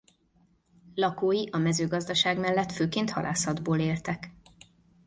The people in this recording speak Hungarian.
Lakói a mezőgazdaság mellett főként halászatból éltek.